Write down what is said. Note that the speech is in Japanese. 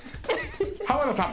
濱田さん。